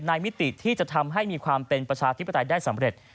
มิติที่จะทำให้มีความเป็นประชาธิปไตยได้สำเร็จ